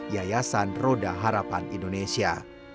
yayasan roda harapan indonesia